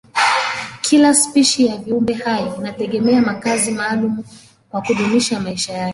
Kila spishi ya viumbehai inategemea makazi maalumu kwa kudumisha maisha yake.